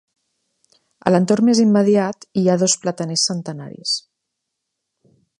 A l'entorn més immediat hi ha dos plataners centenaris.